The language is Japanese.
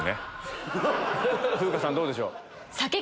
風花さんどうでしょう？